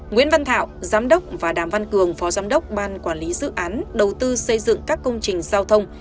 nguyễn văn thảo giám đốc và đàm văn cường phó giám đốc ban quản lý dự án đầu tư xây dựng các công trình giao thông